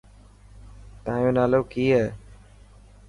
تايو نالو ڪي هي.